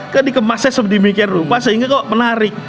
kan dikemasnya seperti demikian rupa sehingga kok menarik